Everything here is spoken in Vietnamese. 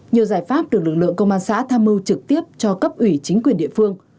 nhiều giải pháp được lực lượng công an xã tham mưu trực tiếp cho cấp ủy chính quyền địa phương